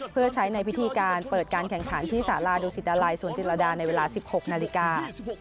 เพื่อใช้ในพิธีการเปิดการแข่งขันที่สาราดูสิตดาลัยสวนจิลดาในเวลา๑๖นาฬิกา